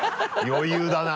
余裕だな。